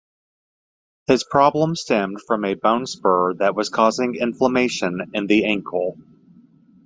His problems stemmed from a bone spur that was causing inflammation in the ankle.